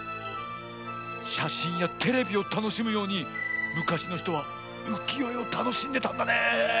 しゃしんやテレビをたのしむようにむかしのひとはうきよえをたのしんでたんだね。